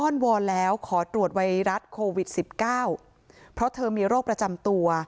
อ้อนวอนแล้วขอตรวจไวรัสโควิด๑๙เพราะเธอมีโรคประจำตัว